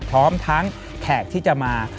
พร้อมทั้งแขกที่จะมา